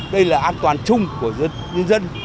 đây là an toàn chung của dân